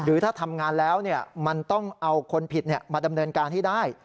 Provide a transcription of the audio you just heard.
ถ้าทำงานแล้วมันต้องเอาคนผิดมาดำเนินการให้ได้